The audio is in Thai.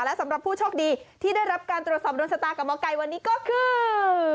และสำหรับผู้โชคดีที่ได้รับการตรวจสอบโดนชะตากับหมอไก่วันนี้ก็คือ